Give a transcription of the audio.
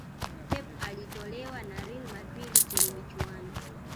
Pep alitolewa na Real Madrid kwenye michuano